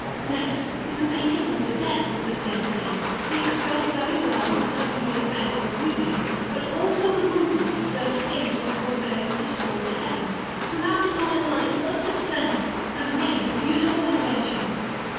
Next, in the painting of the death of the said Saint, he expressed very well not only the effect of weeping, but also the movement of certain angels who are bearing his soul to Heaven, surrounded by a light most resplendent and made with beautiful invention.